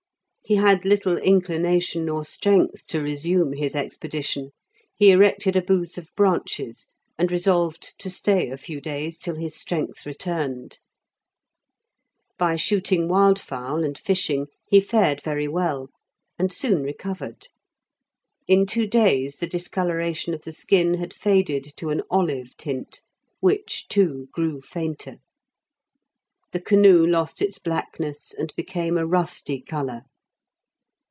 He had little inclination or strength to resume his expedition; he erected a booth of branches, and resolved to stay a few days till his strength returned. By shooting wildfowl, and fishing, he fared very well, and soon recovered. In two days the discoloration of the skin had faded to an olive tint, which, too, grew fainter. The canoe lost its blackness, and became a rusty colour.